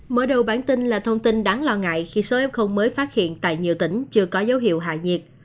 mở đầu bản tin là thông tin đáng lo ngại khi số f mới phát hiện tại nhiều tỉnh chưa có dấu hiệu hạ nhiệt